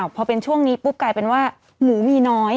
พอเป็นช่วงนี้ปุ๊บกลายเป็นว่าหมูมีน้อย